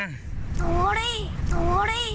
ตัวดิตัวดิ